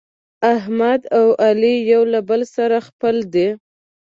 احمد او علي یو له بل سره خپل دي.